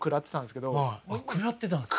食らってたんですか？